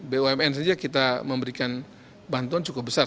bumn saja kita memberikan bantuan cukup besar